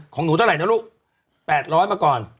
ของหนูเท่าไหร่นะลูก๘๐๐มาก่อน